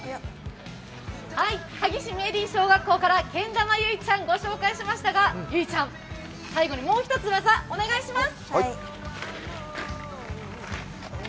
萩市の明倫中学校からからけん玉ゆいちゃんご紹介しましたが、ゆいちゃん、最後にもう１つ、技、お願いします。